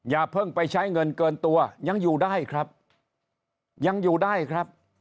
อย่าเพิ่งไปใช้เงินเกินตัวยังอยู่ได้ครับยังอยู่ได้ครับ